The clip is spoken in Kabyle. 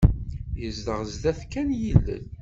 Yezdeɣ sdat kan yilel.